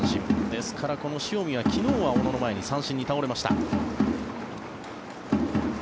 ですから、塩見は昨日は小野の前に三振に倒れました。